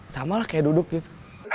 sama lah kayak duduk gitu